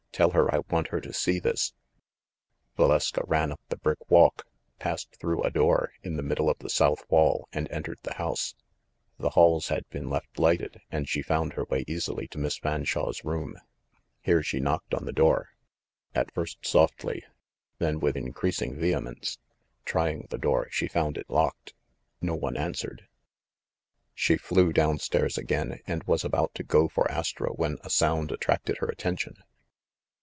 Tell her I want her to see this !" Valeska ran up the brick walk, passed through a door in the middle of the south wall, and entered the house. The halls had been left lighted, and she found her way easily to Miss Fanshawe's room. Here she knocked on the door, at first softly, then with increas ing vehemence. Trying the door, she found it locked. No one answered. She flew down stairs again, and was about to go for Astro, when a sound attracted her attention.